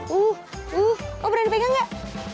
wuh wuh kok berani pegang nggak